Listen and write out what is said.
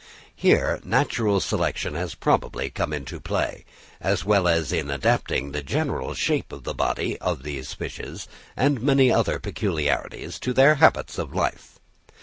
Here natural selection has probably come into play, as well as in adapting the general shape of the body of these fishes, and many other peculiarities, to their habits of life.